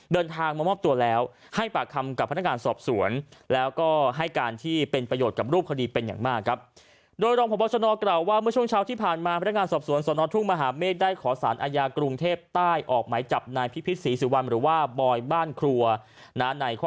เดินทางมามอบตัวแล้วให้ปากคำกับพนักงานสอบสวน